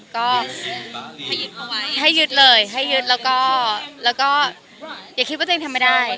ก็ให้ยืดเลยให้ยืดแล้วก็อย่าคิดว่าตัวเองทำไม่ได้